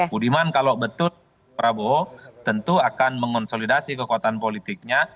budiman kalau betul prabowo tentu akan mengonsolidasi kekuatan politiknya